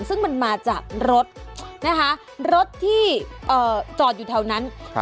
ซึ่งมันมาจากรถนะคะรถที่จอดอยู่แถวนั้น